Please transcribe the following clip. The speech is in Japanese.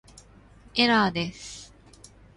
エラーです